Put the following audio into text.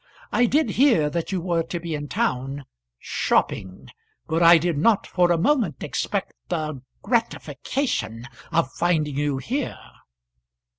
I did hear that you were to be in town shopping; but I did not for a moment expect the gratification of finding you here."